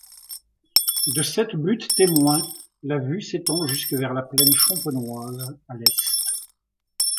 De cette butte-témoin, la vue s'étend jusque vers la plaine champenoise à l'est.